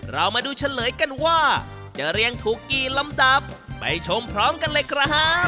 เรามาดูเฉลยกันว่าจะเรียงถูกกี่ลำดับไปชมพร้อมกันเลยครับ